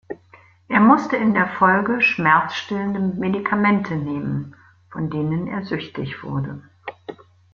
Er musste in der Folge schmerzstillende Medikamente nehmen, von denen er süchtig wurde.